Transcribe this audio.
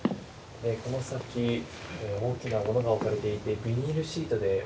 この先大きなものが置かれていてビニールシートで覆われています。